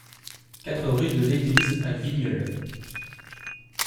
quatre rue de l'Église A Vigneulles